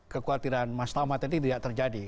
kekhawatiran mas tama tadi tidak terjadi